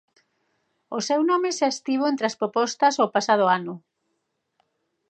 O seu nome xa estivo entre as propostas os pasado ano.